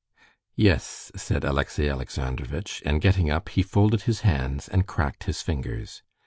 "Yes," said Alexey Alexandrovitch, and getting up, he folded his hands and cracked his fingers.